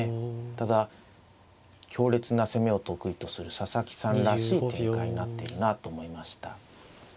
ただ強烈な攻めを得意とする佐々木さんらしい展開になっているなと思いました。